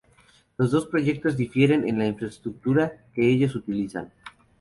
Los dos proyectos difieren en la infraestructura que ellos utilizan.